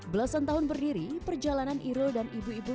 belasan tahun berdiri perjalanan irul dan ibu ibu